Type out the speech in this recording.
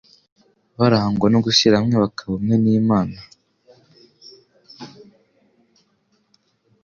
Barangwa no gushyira hamwe bakaba umwe n'Imana.